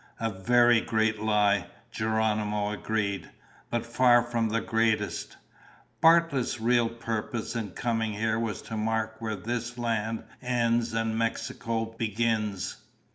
"A very great lie," Geronimo agreed, "but far from the greatest. Bartlett's real purpose in coming here was to mark where this land ends and Mexico begins.